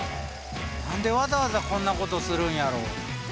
何でわざわざこんなことをするんやろ？